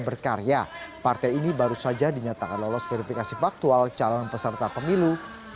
berkarya partai ini baru saja dinyatakan lolos verifikasi faktual calon peserta pemilu dua ribu dua puluh